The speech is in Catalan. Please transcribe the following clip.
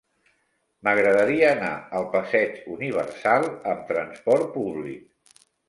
M'agradaria anar al passeig Universal amb trasport públic.